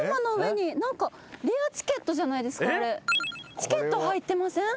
チケット入ってません？